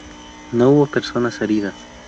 No hubo personas heridas.